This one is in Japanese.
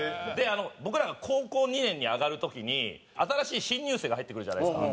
僕らが高校２年に上がる時に新しい新入生が入ってくるじゃないですか。